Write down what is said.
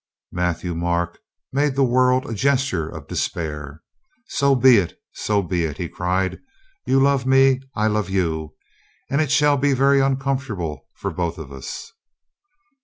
Matthieu Marc made the world a gesture of de spair. "So be it! So be it!" he cried. "You love me. I love you. And it shall be very uncomforta ble for both of us."